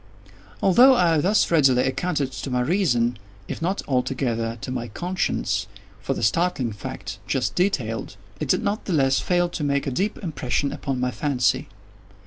Although I thus readily accounted to my reason, if not altogether to my conscience, for the startling fact just detailed, it did not the less fail to make a deep impression upon my fancy.